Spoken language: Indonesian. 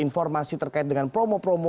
informasi terkait dengan promo promo